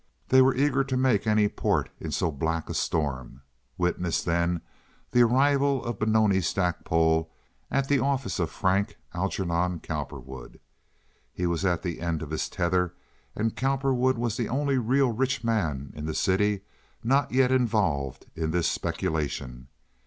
They were eager to make any port in so black a storm. Witness, then, the arrival of Benoni Stackpole at the office of Frank Algernon Cowperwood. He was at the end of his tether, and Cowperwood was the only really rich man in the city not yet involved in this speculation.